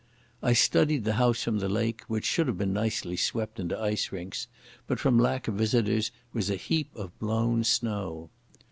I studied the house from the lake, which should have been nicely swept into ice rinks, but from lack of visitors was a heap of blown snow.